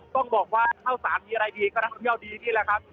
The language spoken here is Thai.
ต้องบอกว่าทะวันเท้าสานมีอะไรดีก็นักที่เที่ยวดีนี่แหละครับ